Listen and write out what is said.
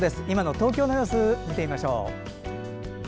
今の東京の様子見てみましょう。